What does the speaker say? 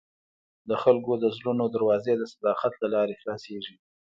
د خلکو د زړونو دروازې د صداقت له لارې خلاصېږي.